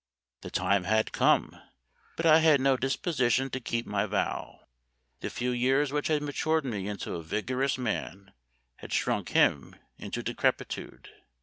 The time had come, but I 132 Memoir of Washington Irving. had no disposition to keep my vow. The few years which had matured me into a vigorous man had shrunk him into decrepitude.